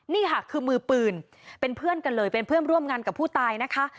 นี่ค่ะคือมือปืนเป็นเพื่อนกันเลยเป็นเพื่อนร่วมงานกับผู้ตายนะคะ